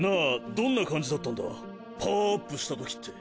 どんな感じだったんだパワーアップした時って？